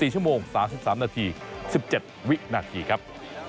๔ชั่วโมง๓๓นาที๑๗วินาทีครับ